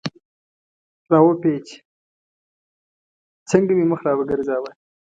را و پېچ، څنګه مې مخ را وګرځاوه.